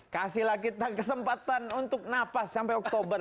kasihlah kita kesempatan untuk napas sampai oktober